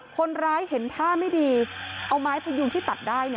คนร้ายเห็นท่าไม่ดีเอาไม้พยุงที่ตัดได้